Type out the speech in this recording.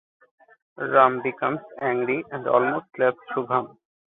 Ram becomes angry and almost slaps Shubham.